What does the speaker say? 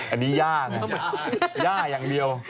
อันนี้ย่าไงย่าอย่างเดียว